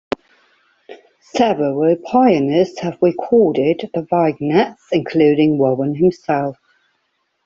Several pianists have recorded the vignettes, including Warren himself.